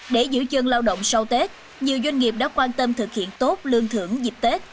để giữ chân lao động sau tết nhiều doanh nghiệp đã quan tâm thực hiện tốt lương thưởng dịp tết